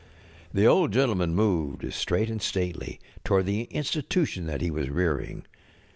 The Old Gentleman moved, straight and stately, toward the Institution that he was rearing.